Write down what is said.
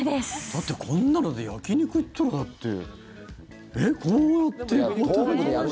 だってこんなの焼き肉行ったらだってこうやって、こう食べる。